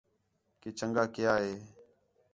کہ چَنڳا کیا ہِے